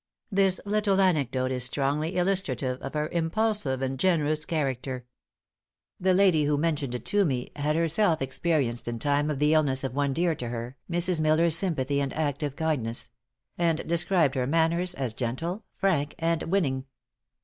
This little anecdote is strongly illustrative of her impulsive and generous character. The lady who mentioned it to me had herself experienced, in time of the illness of one dear to her, Mrs. Miller's sympathy and active kindness; and described her manners as gentle, frank and winning.